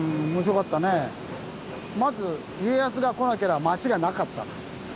まず家康が来なけりゃ町がなかった。